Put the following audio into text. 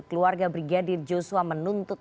keluarga brigadir joshua menuntut